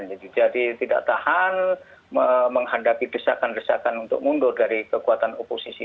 jadi tidak tahan menghadapi desakan desakan untuk mundur dari kekuatan oposisi